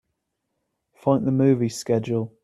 Find the movie schedule.